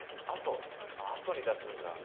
阿蘇に出すんだ。